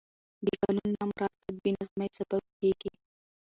د قانون نه مراعت د بې نظمي سبب کېږي